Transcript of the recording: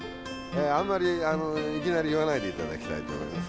あんまりいきなり言わないで頂きたいと思います